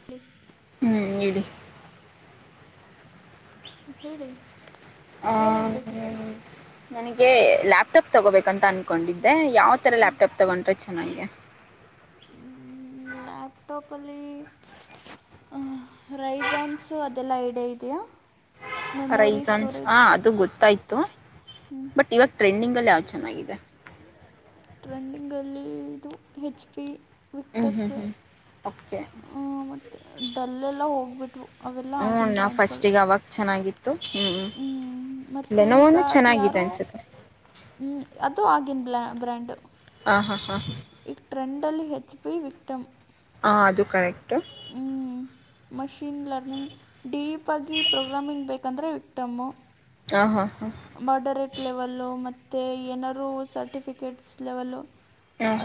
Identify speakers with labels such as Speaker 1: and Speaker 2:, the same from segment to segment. Speaker 1: ಸಿ್.
Speaker 2: ಹ್ಮ್ ಇಡಿ.
Speaker 1: ಹೇಳಿ
Speaker 2: ಆ,
Speaker 1: ಏನಾಗಬೇಕಿತ್ತು.
Speaker 2: ನನಗೆ ಲ್ಯಾಪ್ಟಾಪ್ ತಗೋಬೇಕಂತ ಅನ್ಕೊಂಡಿದ್ದೆ ಯಾವ ತರ ಲ್ಯಾಪ್ಟಾಪ್ ತಗೊಂಡ್ರೆ ಚೆನ್ನಗೆ.
Speaker 1: ಲ್ಯಾಪಟಪ್ ಅಲ್ಲಿ. ಹ ರೈಜಾನ್ಸ ಅದೆಲ್ಲಾ ಐಡಿಯ ಇದೆಯಾ. ಮೆಮೊರಿ
Speaker 2: ಹರೈಜನ್ಸ್
Speaker 1: ಸ್ಟೋರೇಜ್
Speaker 2: ಹ ಅದು ಗೊತ್ತಾಯ್ತು ಬಟ್ ಇವಾಗ ಟ್ರೆಂಡಿಂಗ್ ಅಲ್ಲಿ ಯಾವ್ದ್ ಚೆನ್ನಾಗಿದೆ.
Speaker 1: ಟ್ರೆಂಡಿಂಗಲ್ಲಿ ಇದು ಹೆಚ್ ಪಿ
Speaker 2: ಹ್ಞೂ
Speaker 1: ವಿಕ್ಟಸ್.
Speaker 2: ಹ್ಞೂ ಹ್ಞೂ ಓಕೆ
Speaker 1: ಹ ಮತ್ತುತ್ತ ಡಲ್ಲೆಲ್ಲ ಹೋಗ್ಬಿಟ್ವು. ಅವೆಲ್ಲ
Speaker 2: ಹ್ಞೂ
Speaker 1: ಆಗಿನ
Speaker 2: ನಾ
Speaker 1: ಬ್ರಾಂಡ್ಗಳು
Speaker 2: ಫಸ್ಟಿಗೆ ಅವಾಗ ಚೆನ್ನಾಗಿತ್ತು ಹ್ಞೂ
Speaker 1: ಹ್ಮ್. ಮತ್ತು ಈಗ
Speaker 2: ಲೆನೋವನು
Speaker 1: ಅದು
Speaker 2: ಚೆನ್ನಾಗಿದೆ
Speaker 1: ಯಾರು
Speaker 2: ಅನ್ಸುತ್ತೆ
Speaker 1: ಅದು ಆಗಿನ ಬಾ ಬ್ರ್ಯಾಂಡು.
Speaker 2: ಹಾ ಹಾ ಹಾ.
Speaker 1: ಈ ಟ್ರೆಂಡ್ ಅಲ್ಲಿ ಹೆಚ್ಚಿಪಿ ವಿಕ್ಟಮ್.
Speaker 2: ಹಾಂ ಅದು ಕರೆಕ್ಟ್.
Speaker 1: ಮಷೀನ್ ಲರ್ನಿಂಗ್ ಡೀಪಾಗಿ ಪ್ರೋಗ್ರಾಮಿಂಗ್ ಬೇಕಂದರೆ ವಿಕ್ಟಮ್ಮು.
Speaker 2: ಹ ಹಾ ಹಾ.
Speaker 1: ಮಾಡರೇಟ್ ಲೆವಲ್ಲು ಮತ್ತು ಏನಾರೂ ಸರ್ಟಿಫಿಕೇಟ್ಸ್ ಲೆವಲುು.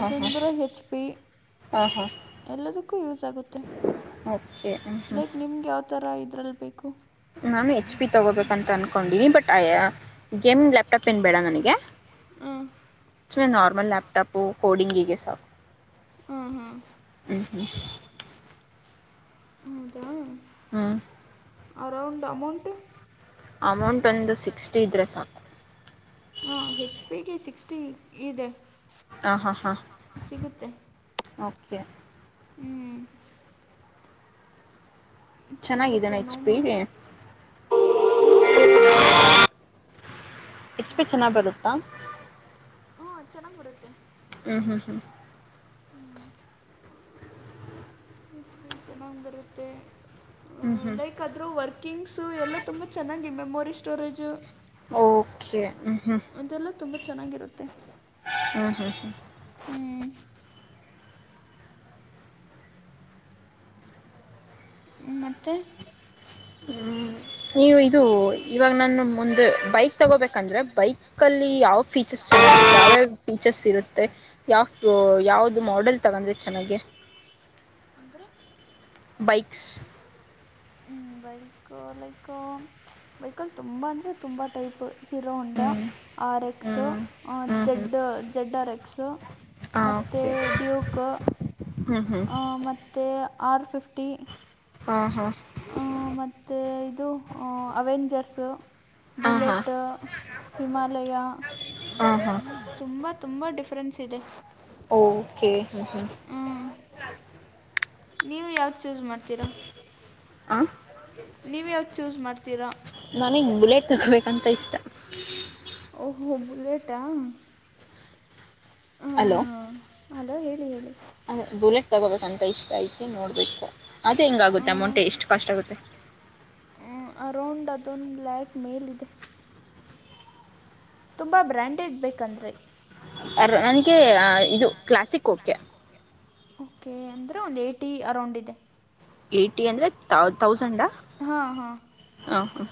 Speaker 2: ಹಾಂ ಹಾಂ ಹಾಂ
Speaker 1: ಹೆಚ್ ಪಿ
Speaker 2: ಹಾಂ ಹಾಂ
Speaker 1: ಎಲ್ಲದಕ್ಕೂ ಯೂಸ್ ಆಗುತ್ತೆ.
Speaker 2: ಓಕೆ. ಹ್ಞೂ
Speaker 1: ಲೈಕ್ ನಿಮ್ಗೆ ಯಾವ ಥರ ಇದ್ರಲ್ಲಿ ಬೇಕು.
Speaker 2: ನಾನು ಹೆಚ್ ಪಿ ತಗೋಬೇಕಂತ ಅನ್ಕೊಂಡೀ ಬಟ್ ಆಯಾ ಗೇಮ್ ಲ್ಯಾಪ್ಟಾಪ್ ಏನ ಬೇಡ ನನಗೆ
Speaker 1: ಹಾಂ
Speaker 2: ನಾರ್ಮಲ್ಯಾಪ್ಟಾಪು ಕೋಡಿಂಗ್ಗೆ ಸಾಕು.
Speaker 1: ಹ್ಮ ಹ್ಮ
Speaker 2: ಹ
Speaker 1: ಹೌದ
Speaker 2: ಹ್ಮ
Speaker 1: ಅರೌಂಡ್ ಅಮೌಂಟ್
Speaker 2: ಅಮೌಂಟ್ ಒಂದ ಸಿಕ್ಸ್ಟಿ ಇದ್ರ ಸಾಕು.
Speaker 1: ಹಾಂ ಹೆಚ್ ಪಿಗೆ ಸಿಕ್ಸ್ಟಿ ಇದೆ.
Speaker 2: ಹಾ ಹಾ ಹಾಂ
Speaker 1: ಸಿಗುತ್ತೆ
Speaker 2: ಓಕೆ.
Speaker 1: ಹ್ಮ ಸಿಗುತ್ತೆ
Speaker 2: ಚೆನ್ನಾಗಿದ್ದಾನ
Speaker 1: no
Speaker 2: H P.
Speaker 1: More
Speaker 2: H P ಚೆನ್ನಾಗಿ ಬರುತ್ತಾ.
Speaker 1: ಹಾ ಚೆನ್ನಾಗ ಬರುತ್ತೆ.
Speaker 2: ಹ್ಮ ಹ್ಮ ಹ್ಮ
Speaker 1: ಹ್ಮ ಹೆಚ್ ಬಿ ಚೆನ್ನಾಗಿ ಬರುತ್ತೆ.
Speaker 2: ಹ್ಮ ಹ್ಮ
Speaker 1: ಕದ್ರೂ ವರ್ಕಿಂಗ್ಸ್ ಎಲ್ಲಾ ತುಂಬಾ ಚೆನ್ನಾಗಿ ಮೆಮೋರಿ ಸ್ಟೋರೇಜ.
Speaker 2: ಓಕೆ ಹ್ಮ ಹ್ಮ
Speaker 1: ಅದೆಲ್ಲ ತುಂಬ ಚೆನ್ನಾಗಿರುತ್ತೆ.
Speaker 2: ಹ್ಮ ಹಾ ಹಾ
Speaker 1: ಹ್ಮ ಮತ್ತೆ
Speaker 2: ಹ್ಮ ನೀವು ಇದು ಇವಾಗ ನಾನು ಮುಂದೆ ಬೈಕ್ ತಗೋಬೇಕಂದ್ರೆ ಬೈಕ್ ಕಲ್ಲಿ ಯಾವ ಫೀಚರ್ಸ್ ಚೆನ್ನಾಗಿ ಯಾವ್ಯಾವ ಪಸ್ ಇರುತ್ತೆ ಯಾವ ಯಾವ್ದ ಮಾಡೆಲ್ ತಗೊಂಡ್ರೆ ಚೆನ್ನಾಗಿ
Speaker 1: ಅಂದ್ರೆ
Speaker 2: ಬೈಕ್ಸ್.
Speaker 1: ಹ್ಮ ಬೈಕ್ ಲೈಕ್ ಬೈಕಲ್ ತುಂಬ ಅಂದ್ರೆ ತುಂಬ ಟೈಪ್. ಹಿರೋ
Speaker 2: ಹ್ಞೂ
Speaker 1: ಹಂಡಾ ಆರ್
Speaker 2: ಹ್ಞೂ
Speaker 1: ಎಕ್ಸ್
Speaker 2: ಹ್ಞೂ ಹ್ಞೂ
Speaker 1: ಜೆಡ್ಡು ಜೆಡ್ಡ ಆರ ಎಕ್ಸ್. ಮತ್ತೆ ಡ್ಯೂಕ.
Speaker 2: ಹ್ಮ ಹ್ಮ
Speaker 1: ತ್ತೇ ಆರ್ಫಿಫ್ಟಿ
Speaker 2: ಹಾ ಹಾ
Speaker 1: ಆ ಮತ್ತೆ ಇದು ಅ ಅವೆಂಜರ್ಸು.
Speaker 2: ಆ ಹಾ
Speaker 1: ಬುಲೆಟ ಹಿಮಾಲಯ
Speaker 2: ಆ ಹಾ
Speaker 1: ತುಂಬ ತುಂಬ ಡಿಫ್ರೆನ್ಸ್ ಇದೆ.
Speaker 2: ಓಕೆ ಹ್ಮ ಹ್ಮ
Speaker 1: ನೀವ ಯಾವ್ದ್ ಚೂಸ್ ಮಾಡ್ತಿರ.
Speaker 2: ಆ
Speaker 1: ನೀವ ಯಾವ್ದ ಚೂಸ್ ಮಾಡ್ತಿರಾ.
Speaker 2: ನನಿಗ್ ಬುಲೆಟ್ ತೊಗೋಬೇಕಂತ ಇಷ್ಟ.
Speaker 1: ಓಹೋ ಬುಲೆೇಟಾ.
Speaker 2: ಹಲೋ
Speaker 1: ಹಲೋ ಹೇಳಿ ಹೇಳಿ
Speaker 2: ಅದೆ ಬುಲೆಟ್ ತಗೋಬೇಕಂತ ಇಷ್ಟ ಐತಿ ನೋಡ್ಬೇಕು ಅದ ಹೆಂಗಾಗುತ್ತೆ ಅಮೌಂಟ್ ಎಷ್ಟ ಕಾಷ್ಟ್ ಆಗುತ್ತೆ.
Speaker 1: ಹ್ಮ ಅರೌಂಡ್ ಅದೊಂದ ಲ್ಯಾಕ್ ಮೇಲಿದೆ. ತುಂಬಾ ಬ್ರ್ಯಾಂಡೆಡ್ ಬೇಕಂದ್ರೆ
Speaker 2: ಅರೆ ನನಗೆ ಇದು ಕ್ಲಾಸಿಕ್ ಓಕೆ
Speaker 1: ಓಕೆ ಅಂದ್ರೆ ಒಂದ್ ಏಟಿ ಅರೌಂಡ್ ಇದೆ
Speaker 2: ಏಟಿ ಅಂದ್ರೆ ತ ತೌಸಂಡಾ
Speaker 1: ಹಾಂ ಹಾಂ
Speaker 2: ಹಾಂ ಹಾಂ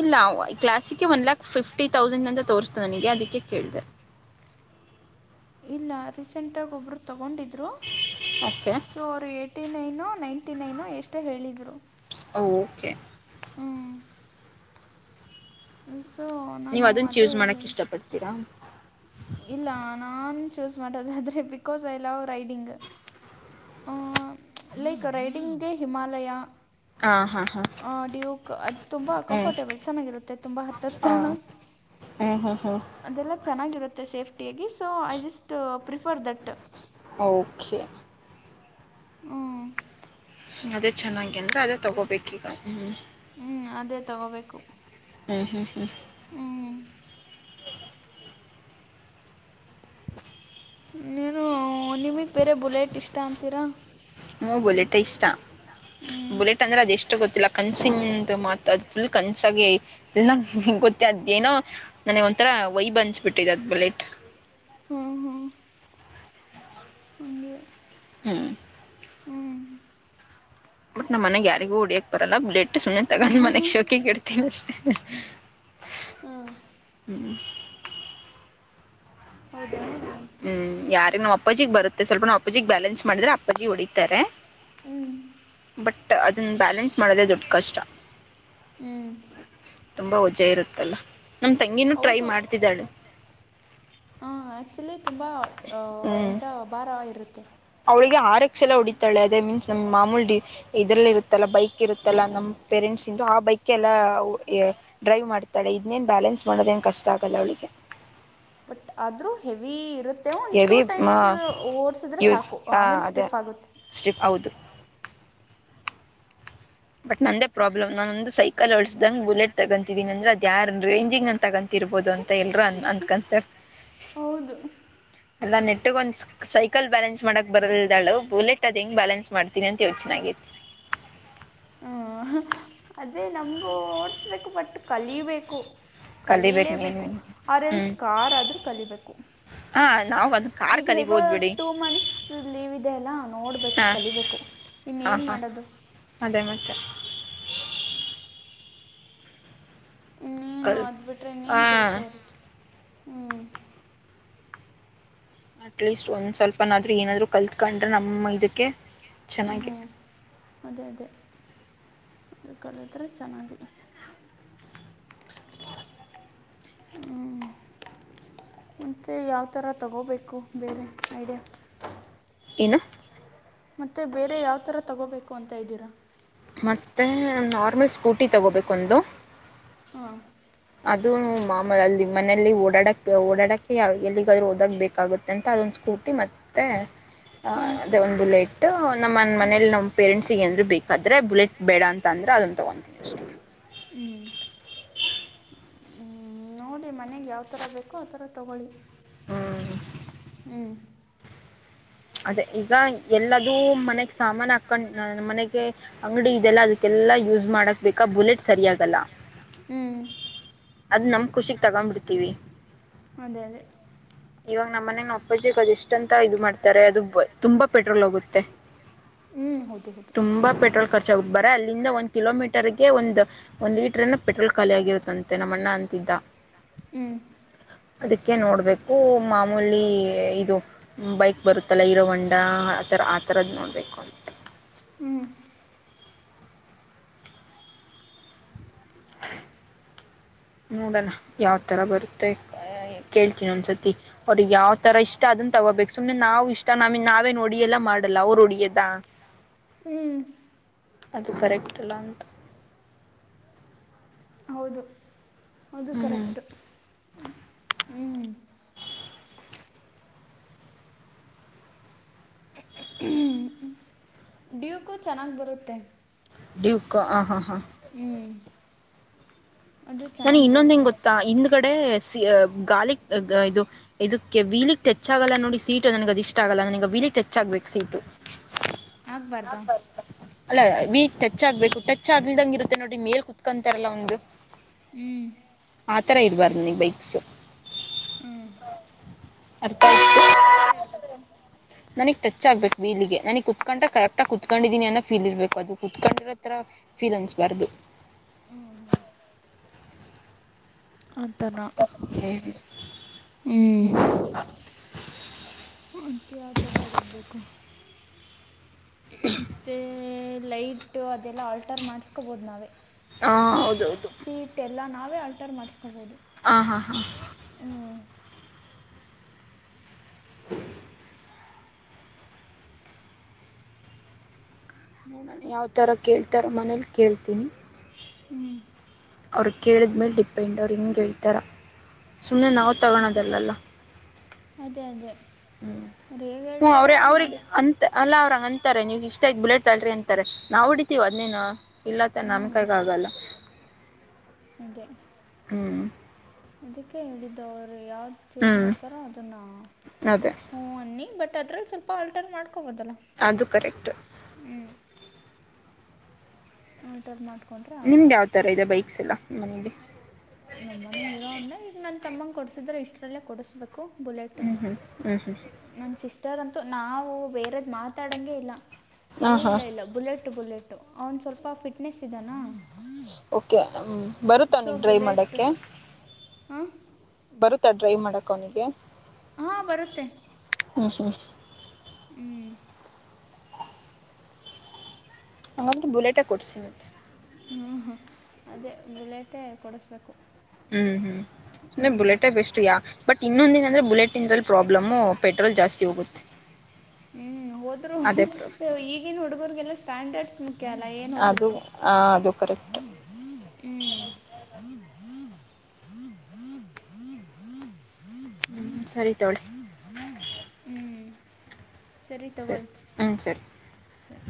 Speaker 2: ಇಲ್ಲಾವ
Speaker 1: ನಾವ್ ಕ್ಲಾಸ್ಗೆ ಒನ್ ಲ್ಯಾಕ್ ಫಿಫ್ಟಿ ತೌಸಂಡ್
Speaker 2: ತೋರಿಸ್ತು
Speaker 1: ಅಂತ
Speaker 2: ನನಗೆ
Speaker 1: ತೋರ್ಸ್ತು
Speaker 2: ಅದಕ್ಕೆ
Speaker 1: ನನಿಗೆ
Speaker 2: ಕೇಳಿದೆ
Speaker 1: ಅದಿಕ್ಕೆ ಕೇಳ್ದೆ ಇಲ್ಲಾ ರೀಸೆಂಟ್ ಆಗ್ ಒಬ್ರು ತಗೊಂಡಿದ್ರು
Speaker 2: ಓಕೆ
Speaker 1: ಸೋ ಅವ್ರ ಹೇಳ್ ಏಟಿ ನೈನೋ ನೈಂಟಿ ನೈನೋ ಎಷ್ಟೋ ಹೇಳಿದ್ರು
Speaker 2: ಓಕೆ.
Speaker 1: ಹ್ಮ್ ಸೊ
Speaker 2: ನೀವು
Speaker 1: ನಾನು
Speaker 2: ಅದನ್ನು
Speaker 1: ಅದೇ
Speaker 2: ಚೂಸ್ ಮಾಡೋಕ್ಕೆ
Speaker 1: ಹೇಳ್
Speaker 2: ಇಷ್ಟಪಡ್ತೀರಾ
Speaker 1: ಇಲ್ಲಾ ನಾನ್ ಚೂಸ್ ಮಾಡೋದಾದ್ರೆ because I love riding. Like ರೈಡಿಂಗ್ಗೆ ಹಿಮಾಲಯ
Speaker 2: ಹಾ ಹ ಹ
Speaker 1: ಆ ಡ್ಯೂಕ್ ಅದ್ ತುಂಬಾ ಕಂಫರ್ಟೇಬಲ್ ಚೆನ್ನಾಗಿರುತ್ತೆ ತುಂಬಾ ಹತ್ತತ್ತ
Speaker 2: ಹು ಹು ಹು
Speaker 1: ಅದೆಲ್ಲಾ ಚೆನ್ನಾಗಿರುತ್ತೆ ಸೇಫ್ಟಿಯಾಗಿ so I just prefer that.
Speaker 2: Okay
Speaker 1: ಹ್ಮ್
Speaker 2: ಅದೇ ಚೆನ್ನಾಗಿ ಅಂದ್ರೆ ಅದೇ ತೊಗೋಬೇಕೀಗ ಹ್ಮ.
Speaker 1: ಹ್ಮ್ ಅದೇ ತಗೋಬೇಕು.
Speaker 2: ಹ್ಮ್ ಹ್ಮ್ ಹ್ಮ್
Speaker 1: ಹ್ಞೂ ನೀನು ನಿಮಿಗ್ ಬೇರೆ ಬುಲೆಟ್ ಇಷ್ಟಾ ಅಂತೀರಾ
Speaker 2: ಹೂ ಬುಲೆಟೆ ಇಷ್ ಟ
Speaker 1: ಹ್ಞೂ
Speaker 2: ಬುಲೆಟ್ ಅಂದ್ರೆ ಅದ ಎಷ್ಟೋ ಗೊತ್ತಿಲ್ಲ ಕನ್ಸಿಂದು ಮಾತು ಅದು ಫುಲ್ ಕನ್ಸಾಗಿ ಐ ಇಲ್ಲ ಗೊತ್ತ ಅದ್ ಏನೋ ನನಗ್ ಒಂಥರ ವೈಬ್ ಅನಸ್ಬಿಟ್ಟಿದೆ ಅದ್ ಬುಲೆಟ್
Speaker 1: ಹ್ಮ್ ಹ್ಮ್. ಹಂಗೆ
Speaker 2: ಹ್ಮ್.
Speaker 1: ಹ್ಮ್.
Speaker 2: ಬಟ್ ನಮ್ ಮನೆಗ್ ಯಾರಿಗೂ ಹೊಡಿಯಕ್ ಬರಲ್ಲ ಬುಲೆಟ್ ಸುಮನೆ ತಗೊಂಡ್ ಮನೆಗ್ ಶೋಕಿಗ್ ಇಡ್ ತ್ತಿವ್ ಅಷ್ಟೇ
Speaker 1: ಹ್ಮ.
Speaker 2: ಹ್ಮ
Speaker 1: ಹೌದಾ
Speaker 2: ಹ್ಞೂ ಯಾರಿಗೆ
Speaker 1: ಯಾರಿಗ್
Speaker 2: ಅಪ್ಪಾಜಿಗೆ
Speaker 1: ನಮ್ಮ
Speaker 2: ಬರುತ್ತೆ
Speaker 1: ಅಪ್ಪಾಜಿಗ ಬರತ್ತೆ ಸ್ವಲ್ಪ
Speaker 2: ಅಪ್ಪಾಜಿಗೆ
Speaker 1: ನಮ್ಮ ಅಪ್ಪಾಜಿ ಬ್ಯಾಲೆನ್ಸ್
Speaker 2: ಅಪ್ಪಾಜಿ
Speaker 1: ಮಾಡಿದ್ರೆ ಅಪ್ಪಾಜೀಗ್
Speaker 2: ಹೊಡಿತಾರೆ
Speaker 1: ಹ್ಮ್
Speaker 2: ಬಟ್ ಅದನ್ನ ಬ್ಯಾಲೆನ್ಸ್ ಮಾಡೋದೇ ದೊಡ್ಡ ಕಷ್ಟ
Speaker 1: ಹ್ಮ್
Speaker 2: ತುಂಬಾ ವಜ್ಜ ಇರುತ್ತಲ್ಲ ನಮ ತಂಗಿನೂ ಟ್ರೈ ಮಾಡ್ತಿದ್ದಾಳೆ
Speaker 1: ಹಾ ಆಕ್ಚುಲಿ ತುಂಬಾ ಅ
Speaker 2: ಹ್ಞೂ
Speaker 1: ಎಂತ ಅ ಭಾರ ಇರುತ್ತೆ.
Speaker 2: ಅವಳಿಗೆ ಆರಕ್ಸ್ ಎಲ್ಲ ಹೊಡಿತಾಳೆ ಅದೇ ಮೀನ್ಸ್ ನಮ್ ಮಾಮೂಲಿ ಡಿ ಇದ್ರಲ್ಲ ಇರತ್ತಲ್ಲಾ ಬೈಕ್ ಇರತ್ತಲ್ಲಾ ನಮ್ ಪೇರೆಂಟ್ಸ್ ಇಂದು ಆ ಬೈಕ್ ಎಲ್ಲಾ ಡ್ರೈವ್ ಮಾಡ್ತಾಳೆ ಇದನ್ನೇನ್ ಬ್ಯಾಲೆನ್ಸ್ ಮಾಡೋದೇನು ಕಷ್ಟ ಆಗಲ್ಲ ಅವಳಿಗೆ.
Speaker 1: ಬಟ್ ಆದ್ರೂ ಹೆವಿ ಇರುತ್ತೆ ಮ ಒಂದು ಟೂ
Speaker 2: ಹೆವಿ
Speaker 1: ಟೈಮ್ಸ್ ಓಡ್ಸಿದ್ರೆ ಸಾಕು ಆಮೇಲೆ ಸ್ಟಿಫ್ ಆಗುತ್ತೆ.
Speaker 2: ಸ್ಟಿಫ್ ಹೌದು. ಬಟ್ ನಂದೇ ಪ್ರಾಬ್ಲಮ್ ನಾನು ಒಂದು ಸೈಕಲ್ ಹೊ ಡ ಸ್ದಂಗ ಬುಲೆಟ್ ತಗೊಂತೀಿನಿ ಅಂದ್ರ ಅದ ಯಾರು ರೇಂಜಿಂಗ ನನ್ ತಗಂತ ಇರ್ಬೋದು ಅಂತ ಎಲ್ರು ಅ ಅನ್ಕೊಂತಾರೆ.
Speaker 1: ಹೌದು.
Speaker 2: ಎಲ್ಲ ನೆಟ್ಟಿಗ ಒಂದ್ ಸೈಕಲ್ ಬ್ಯಾಲೆನ್ಸ್ ಮಾಡಕ್ ಬರದಲ್್ದಳು ಬುಲೆಟ್ ಅದು ಹೆಂಗ ಬ್ಯಾಲೆನ್ಸ್ ಮಾಡ್ತಿನನಿ ಅಂತ ಯೋ್ಚೆನ್ನಾಗಿತ್.
Speaker 1: ಹ್ಮ್ ಅದೇ ನಮ್ಗೂ ಓಡ್ಸ್ಬೇಕು ಬಟ್ ಕಲಬೇಕು.
Speaker 2: ಕಲಿಬೇಕು ನೀನು
Speaker 1: ಕಲೀಲೇಬೇಕು ಅವರೆಲ್
Speaker 2: ಹ್ಞೂ
Speaker 1: ಸ್ ಕಾರ್ ಆದ್ರೂ ಕಲಿಬೇಕು.
Speaker 2: ಹಾ ನಾವು ಅದು ಕಾರ್
Speaker 1: ಈಗ ಹೇಗೋ
Speaker 2: ಕಲಿಬೋದು ಬಿಡಿ
Speaker 1: ಟೂ ಮಂತ್ಸ್ ಲೀವ್ ಇದೆ ಅಲ್ಲ ನೋಡ್ಬೇಕು
Speaker 2: ಹಾ
Speaker 1: ಕಲಿಬೇಕು. ಇನ್ನ
Speaker 2: ಹಾ
Speaker 1: ಏನ್
Speaker 2: ಹಾ
Speaker 1: ಮಾಡೋದು.
Speaker 2: ಅದೇ ಮತ್ತೆ.
Speaker 1: ನೀನು
Speaker 2: ಕಲ್
Speaker 1: ಅಬಿಟ್ರೆ
Speaker 2: ಹಾ
Speaker 1: ಇನ್ನೇನು ಕೆಲಸ ಇತ್ತು ಹ್ಞೂ.
Speaker 2: ಅಟ್ ಲೀಸ್ಟ್ ಒಂದ್ ಸ್ವಲ್ಪನಾದ್ೂ ಏನಾದ್ರು ಕಲ್ತ್ಕೊಂಡ್ರೆ ನಮ್ಮ ಇದಕ್ಕೆ
Speaker 1: ಹ್ಞ
Speaker 2: ಚೆನ್ನಾಗಿ
Speaker 1: ಹ್ಞೂ ಅದೇ ಅದೇ ಅದು ಕಲಿದ್ರೆ ಚೆನ್ನಾಗಿ ್ಞ ಮತ್ತು ಯಾವ ಥರ ತಗೋಬೇಕು ಬೇರೆ ಐಡಿಯಾ?
Speaker 2: ಏನು?
Speaker 1: ಮತ್ತೆ ಬೇರೆ ಯಾವ ಥರ ತೊಗೋಬೇಕು ಅಂತ ಇದ್ದೀರಾ?
Speaker 2: ಮತ್ತೆ ನಾರ್ಮಲ್ ಸ್ಕೂಟಿ ತಗೋಬೇಕು ಒಂದು.
Speaker 1: ಹಾಂ.
Speaker 2: ಅದು ಮಾಮೂಲ್ಲಿ ಮನೆಯಲ್ಲಿ ಓಡಾಡಕ್ ಓಡಾಡಕ್ಕೆ ಎಲ್ಲಿಗಾದ್ರೂ ಓದಕ್ ಬೇಕಾಗುತ್ತೆ. ಎಂತ ಅದೊಂದು ಸ್ಕೂಟಿ ಮತ್ತೆ
Speaker 1: ಹ್ಞೂ
Speaker 2: ಅದೇ ಒಂದು ಬುಲೆಟ್ ನಮ್ಮ ಮನೇಲಿ ನಮ್ಮ್ ಪೇರೆಂಟ್ಸ್ಗೆ ಅಂದ್ರು ಬೇಕಾದ್ರೆ ಬುಲೆಟ್ ಬೇಡ ಅಂತ ಅಂದರೆ ಅದನ್ನ ತೊಗೊತೀವಿ ಅಷ್ಟೇ.
Speaker 1: ಹ್ಮ್. ನೋಡಿ ಮನೆಗೆ ಯಾವ್ತರ ಬೇಕೋ ಆತರ ತಗೊಳ್ಳಿ
Speaker 2: ಹ್ಞೂ
Speaker 1: ಹ್ಮ್.
Speaker 2: ಅದ ಈಗ ಎಲ್ಲದೂ ಮನೆಗೆ ಸಾಮಾನು ಹಾಕ್ಕೊಂಡು ನ ಮನೆಗೆ ಅಂಗಡಿ ಇದೆಲ್ಲ ಅದಕ್ಕೆಲ್ಲಾ ಯೂಸ್ ಮಾಡಕ್ ಬೇಕಾ ಬುಲೆಟ್ ಸರಿಯಾಗಲ್ಲ.
Speaker 1: ಹ್ಮ್.
Speaker 2: ಅದು ನಮ್ಮ ಖುಷಿಿಗೆ ತಗ್ಂಬಿಡ್ತೀವಿ.
Speaker 1: ಅದೇ ಅದೇ.
Speaker 2: ಇವಾಗ ನಮ್ಮ ಮನಗ್ ಅಪ್ಪಾಜಿಿಗೆ ಅದು ಎಷ್ಟಂತ ಇದು ಮಾಡ್ತಾರೆ ಅದು ತುಂಬಾ ಪೆಟ್ರೋಲ್ ಆೋಗುತ್ತೆ.
Speaker 1: ಹ್ಞೂ ಹೌದು ಹೌದು
Speaker 2: ತುಂಬಾ ಪೆಟ್ರೋಲ್ ಖರ್ಚಾಗ ಬರ ಅಲ್ಲಿಂದ ಒಂದ್ ಕಿಲೋಮೀಟರ್ಗೆ ಒಂದ್ ಒಂದು್ ಲೀಟರ್ನ ಪೆಟ್ರೋಲ್ ಖಾಲಿಯ ಆಿರುತ್ತಂತೆ ನಮ್ಮಣ್ಣ ಅಂತಿದ್ದ.
Speaker 1: ಹ್ಮ.
Speaker 2: ಅದಕ್ಕೆ ನೋಡ್ಬೇಕು ಮಾಮೂಲಿಿ ಇದು ಬೈಕ್ ಬರುತ್ತಲ್ಲ ಇರೋ ಹಂಡಾ ಆತರ ಆತರದ್ ನೋಡ್ಬೇಕು ಅಂತ.
Speaker 1: ಹ್ಮ್.
Speaker 2: ನೋಡಣ ಯಾವ್ತರ ಬರುತ್ತೆ. ಕೇಳ್ತೀನ ಒಂದ್ಸತಿ. ಅವ್ರಿಗೆ ಯಾವ್ ತರ ಇಷ್ಟ ಅದನ್ ತಗೋಬೇಕು ಸುಮ್ನೆ ನಾವವು ಇಷ್ಟ ನ ನಾವೇನ್ ಹೊಡಿಯೆಲ್ಲ ಮಾಡಲ್ಲ ಅವರು ಹೊಡಿಯದ.
Speaker 1: ಹ್ಮ್.
Speaker 2: ಅದು ಕರೆಕ್ಟ್ ಅಲ್ಲ ಅಂತ.
Speaker 1: ಹೌದು ಅದು
Speaker 2: ಹ್ಞೂ
Speaker 1: ಕರೆಕ್ಟ ಹ್ಮ್. ಡ್ಯೂಕ್ಕೂ ಚೆನ್ನಾಗಿ ಬರುತ್ತೆ.
Speaker 2: ಯುಕ್ಕೋ ಆ ಹಾ ಹಾ.
Speaker 1: ಹ್ಮ್.
Speaker 2: ನನ ಇನ್ನೊಂದ್ ಹೆಂಗ್
Speaker 1: ಬರುತ್ತೆ
Speaker 2: ಗೊತ್ತಾ ಹಿಂದ್ ಗಡೆ ಗಾಲಿ ಇದು. ಇದಕ್ಕೆ ವೀಲಿಕ್ ಟಚ್ ಆಗಲ್ಲ ನೋಡಿ ಸೀಟು ನನಗ ಅದು ಇಷ್ಟ ಆಗಲ್ಲ ನನಗ ವೀಲಿಕ್ಟೆಚ್ ಆಗ್ಬೇಕು ಸೀಟ.
Speaker 1: ಆಗಬಾರ್ದಾ
Speaker 2: [unintelligible] ಅಲ್ಲ ವಿಲ್ಗೆಟಾಚ್ಚಗ್ಬೇಕಾ ಟಚ್ ಆಗ್ಲಿಲ್ದಂಗೆ ಇರುತ್ತೆ ನೋಡ್ರಿ ಮೇಲ್ ಕುತ್ಕೊಂತಾರಲ್ಲ ಒಂದು.
Speaker 1: ಹ್ಮ್.
Speaker 2: ಆತರ ಇರ್ಬಾರ ನೀ ಬೈಕ್ಸ್.
Speaker 1: ಹ್ಞೂ
Speaker 2: ಅರ್ಥ ಆಯ್ತು.
Speaker 1: ಯಾವ ಥರ ಇರಬೇಕು
Speaker 2: ನನಗ್ ಟಚ್ ಆಗ್ಬೇಕು ಬೀಲಿಗೆ ನನಗ್ ಕುತ್ಕೊಂಡ ಕರೆಕ್ಟ ಆಗಿ ಕುತ್ಕೊಂಡಿದೀನಿ ಅನ್ನ ಫೀಲ್ ಇರ್ಬೇಕು ಅದು ಕುೂತ್ಕೊಂಡಿರೋತರ - ಫೀಲ್ ಅನಸಬಾರ್ದ.
Speaker 1: ಹ್ಮ ಹ್ಮ. ಅಂತನಾ. ಹ್ಮ್ ಅಂತ ಯಾವತರ ಇರೋದ ಬೇಕು. ಮತ್ತೆ ಲೈಟ್ ಅದೆಲ್ಲಾ ಆಲ್ಟರ್ ಮಾಡಸ್ಕೋಬಹದು ನಾವೇ.
Speaker 2: ಹಾ ಹೌದು ಹೌದು.
Speaker 1: ಎಲ್ಲಾ ನಾವೇ ಆಲ್ಟರ್ ಮಾಡಸ್ಕೋಬಹುದು.
Speaker 2: ಆ ಹಾ ಹಾ.
Speaker 1: ಹ.
Speaker 2: [inaudible] ಯಾವ್ ತರ ಕೇಳ್ತಾರ ಮನೇಲಿ ಕೇಳ್ತೀನಿ.
Speaker 1: ಹ್ಮ್.
Speaker 2: ಅವ್ರು ಕೇಳಿದ್ಮೇಲೆ ಡಿಪೆಂಡ್ ಅವ್ರು ಹಿಂಗೆ ಹೇಳ್ತಾರೆ.
Speaker 1: ಹ್ಮ ಅದೇ ಅದೇ ಅದೇ.
Speaker 2: ಹ್ಮ್.
Speaker 1: ಅವ್ರ ಹೇಗೆಲ್ತಾರೋ -
Speaker 2: ಅವ್ರಗ್ ಅಂತ ಅಲ್ಲ ಅವ್ರಂಗ ಅಂತಾರೆ ನೀವ್ ಇಷ್ಟ ಆಯ್ ಬುಲೆಟ್ ತಳ್ರಿ ಅಂತಾರೆ ನಾವು ಹೊಡಿತೀವ ಅದ್ನೇನಾ. ಇಲ್ಲತ್ತ ನಮ್ಮ
Speaker 1: ಹ್ಞೂ
Speaker 2: ಕೈಗ ಆಗಲ್ಲ.
Speaker 1: ಅಂದೆ.
Speaker 2: ಹ್ಮ್.
Speaker 1: ಅದಕ್ಕೆ ಹೇಳಿದ್ದವರು ಯಾವ್ದ ಚೂಸ್ ಮಾಡ್ತಾರ
Speaker 2: ಹ್ಞೂ
Speaker 1: ಅದನ್ನ.
Speaker 2: ಅದೇ
Speaker 1: ಹೂ ಅನ್ನಿ ಬಟ್ ಅದ್ರಲ್ಲಿ ಸ್ವಲ್ಪ ಆಲ್ಟರ್ ಮಾಡ್ಕೊಬೋದಲ್ಲ.
Speaker 2: ಅದು ಕರೆಕ್ಟ.
Speaker 1: ಹ್ಮ್. ವಾಲ್ಟರ್ ಮಾಡು.
Speaker 2: ನಿಮ್ದು ಯಾವಥರ ಇದೆ ಬೈಕ್ಸ್ ಎಲ್ಲ ಮನೆಯಲ್ಲಿ.
Speaker 1: ನಮ್ಮನೇ ಇರೋಣ್ಣ ಈಗ ನನ್ ತಮ್ಮಂಗ ಕೊಡ್ಸಿದ್ರೆ ಇಷ್ಟ್ರಲ್ಲೇ ಕೊಡಸ್ಬೇಕು- ಕೊ ಬುಲೆಟ್.
Speaker 2: ಹ್ಞೂ ಹ್ಞೂ ಹ್ಞೂ ಹ್ಞೂ
Speaker 1: ನನ್ನ ಸಿಸ್ಟರ್ ಅಂತೂ ನಾವು ಬೇರದ ಮಾತಾಡಂಗೆ ಇಲ್ಲ. ಏ
Speaker 2: ಹಾಂ ಹಾಂ
Speaker 1: ಇಲ್ಲ ಇಲ್ಲ ಬುಲೆಟ್ಟು ಬುಲೆಟ್ಟು ಅವ್ನ್ ಸ್ವಲ್ಪ ಫಿಟ್ನೆಸ್ ಇದಾನ-
Speaker 2: ಓಕೆ ಹ ಬರುತ್ತ ನೀಗ ಡ್ರ
Speaker 1: ಬುಲೆಟ್
Speaker 2: ಮಾಡಕ್ಕೆ.
Speaker 1: ಹಾಂ
Speaker 2: ಬರುತ್ತಾ ಡ್ರೈವ್ ಮಾಡಕ ಅವನಿಗೆ
Speaker 1: ಹಾ ಬರುತ್ತೆ
Speaker 2: ಹ್ಮ ಹ್ಮ
Speaker 1: ಹ್ಮ
Speaker 2: ಹಂಗಂದ್ರೆ ಬುಲ್ಲೆಟೆ ಕೊಡ್ಸಿ ಮತ್ತೆ
Speaker 1: ಹಾ ಹಾ ಅದೇ ಬುಲೆಟೇ ಕೊಡಿಸ್ಬೇಕು
Speaker 2: ಹ್ಮ್ ಹ್ಮ್ ಅಂದ್ರೆ
Speaker 1: ಹ್ಞೂ
Speaker 2: ಬುಲೆಟೇ ಬೆಸ್ಟ್ ಯಾ ಬಟ್ ಇನ್ನೊಂದ ದಿನ ಅಂದ್ರೆ ಬುಲೆಟ್ ಇಂದ್ರಲ್ಲಿ ಪ್ರಾಬ್ಲಮು ಪೆಟ್ರೋಲ್ ಜಾಸ್ತಿ ಹೋಗುತ್ತೆ [inaudible]
Speaker 1: ಹ್ಮ್ ಹೋದ್ರು
Speaker 2: ಅದೇ ಪ್ರಾಬ್ಲಮ್
Speaker 1: ಈಗಿನ್ ಹುಡುಗರ್ಗೆಲ್ಲಾ ಸ್ಟ್ಯಾಂಡರ್ಡ್ಸ್ ಮು ಕೆಲ ಏನ್
Speaker 2: ಅದು ಅದು ಕರೆಕ್ಟ್ ಹ್ಮ್ ಸರಿ ತೊಳಿ
Speaker 1: ಹ್ಞೂ ಸರಿ ತಗೊಳ್ಳಿ
Speaker 2: ಹ್ಞೂ ಸರಿ
Speaker 1: ಸರಿ